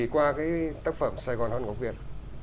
qua tác phẩm sài gòn hòn ngọc việt